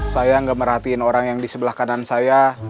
saya nggak merhatiin orang yang di sebelah kanan saya